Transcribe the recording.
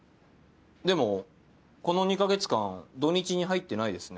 でもこの２カ月間土日に入ってないですね。